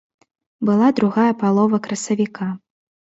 Была другая палова красавіка.